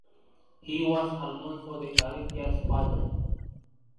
He was Arnulfo de Carintia’s father.